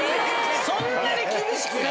そんなに厳しく？